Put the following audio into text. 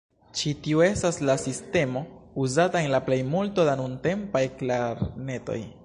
Ĉi tiu estas la sistemo uzata en la plejmulto da nuntempaj klarnetoj.